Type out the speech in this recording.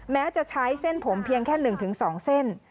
แม้จะใช้เส้นผมเพียงแค่๑๒เส้น